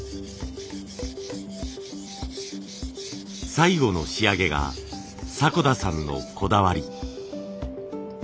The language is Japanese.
最後の仕上げが迫田さんのこだわり。